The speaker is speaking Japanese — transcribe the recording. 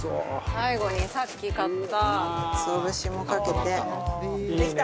最後に、さっき買ったかつお節もかけて、できた！